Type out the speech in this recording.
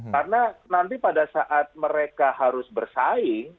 karena nanti pada saat mereka harus bersaing